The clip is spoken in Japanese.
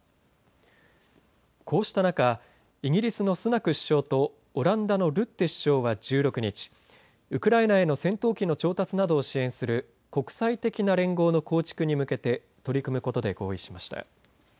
こうした中、イギリスのスナク首相とオランダのルッテ首相は１６日、ウクライナへの戦闘機の調達などを支援する国際的な連合の構築に向けて取り組むことで合意しました。